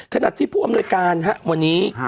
ขณะที่ผู้อำนวยการวันนี้